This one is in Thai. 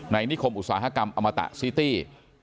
นิคมอุตสาหกรรมอมตะซิตี้